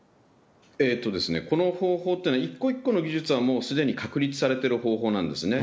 この方法っていうのは、一個一個の技術は、もうすでに確立されている方法なんですね。